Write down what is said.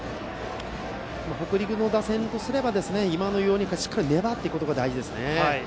北陸打線は、今のようにしっかり粘っていくことが大事ですね。